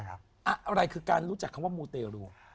อะไรคือการรู้จักคำว่ามูเตรู